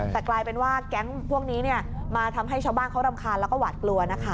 แต่กลายเป็นว่าแก๊งพวกนี้มาทำให้ชาวบ้านเขารำคาญแล้วก็หวาดกลัวนะคะ